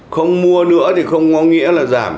không mua nữa thì không có nghĩa là giảm